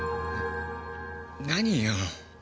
何よ？